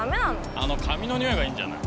あの紙の匂いがいいんじゃない。